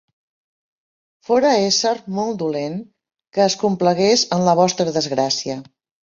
Fora ésser molt dolent, que es complagués en la vostra desgràcia!